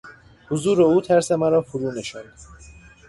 حضور او ترس مرا فرو نشاند.